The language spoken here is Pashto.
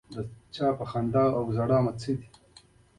له لستوڼو مې هم ستوري ځکه ایسته کړل.